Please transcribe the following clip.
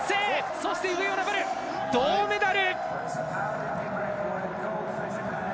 そして上与那原、銅メダル！